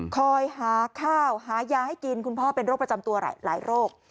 คอยหาข้าวหายาให้กินคุณพ่อเป็นโรคประจำตัวหลายโรค